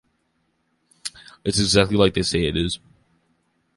It’s exactly like they say it is.